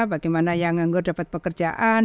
bagaimana yang anggur dapat pekerjaan